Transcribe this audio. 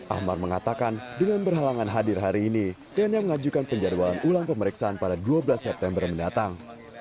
ahmad mengatakan dengan berhalangan hadir hari ini tni mengajukan penjadwalan ulang pemeriksaan pada dua belas september mendatang